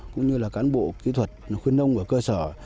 cũng như là cán bộ kỹ thuật khuyên nông của cơ sở